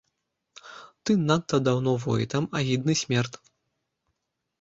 Ты надта даўно войтам, агідны смерд.